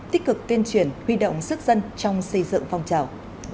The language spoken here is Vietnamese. tích cực tuyên truyền huy động sức dân trong xây dựng phong trào